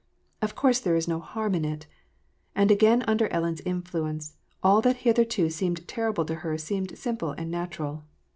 Of course there is no haim in it." — And again under Ellen's influence, all that hitherto seemed terrible to her seemed simple and natural.